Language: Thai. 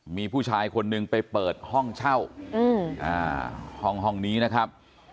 มีผู้ชายคนหนึ่งไปเปิดห้องเช่าห้องนี้นะครับ